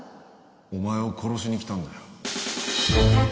お前を殺しに来たんだよ。